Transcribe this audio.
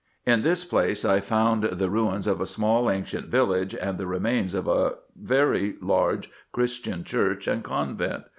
In this place I found the ruins of a small ancient village, and the remains of a very large Christian church and convent.